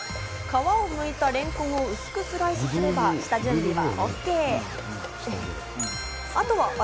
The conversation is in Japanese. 皮をむいたれんこんを薄くスライスすれば下準備はＯＫ。